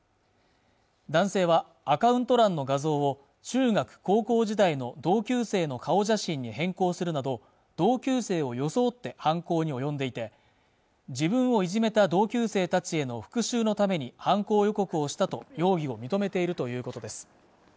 男性はアカウント欄の画像を中学、高校時代の同級生の顔写真に変更するなど同級生を装って犯行に及んでいて自分をいじめた同級生たちへの復讐のために犯行予告をしたと容疑を認めているということです